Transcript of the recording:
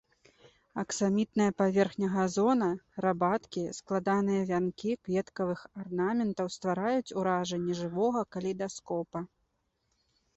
Аксамітная паверхня газона, рабаткі, складаныя вянкі кветкавых арнаментаў ствараюць уражанне жывога калейдаскопа.